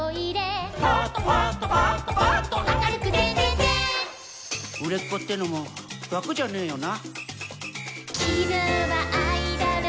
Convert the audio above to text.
「ブッ」「売れっ子ってのも楽じゃねぇよな」